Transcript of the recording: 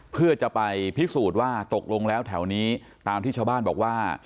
เพื่อจะไปพิสูจน์ว่าตกลงแล้วแถวนี้ตามที่ชาวบ้านบอกว่า